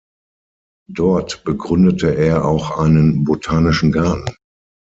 Dort begründete er auch einen Botanischen Garten.